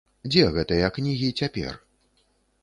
Дзе гэтыя кнігі цяпер?